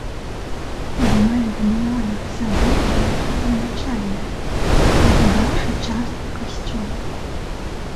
З амаль дабудаванага сабора была зроблена чайная, разабраўшы частку касцёла.